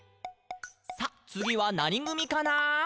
「さあ、つぎはなにぐみかな？」